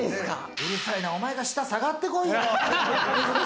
うるさいな、おまえが下がってこいよ！